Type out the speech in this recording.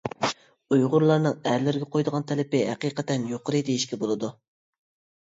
ئۇيغۇرلارنىڭ ئەرلەرگە قويىدىغان تەلىپى ھەقىقەتەن يۇقىرى، دېيىشكە بولىدۇ.